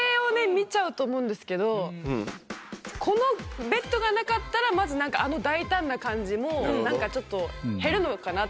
見ちゃうと思うんですけどこのベッドがなかったらまずあの大胆な感じもなんかちょっと減るのかなって。